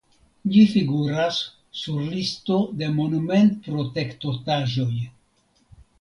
Ĝi figuras sur listo de monumentprotektotaĵoj.